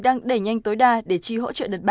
đang đẩy nhanh tối đa để chi hỗ trợ đợt ba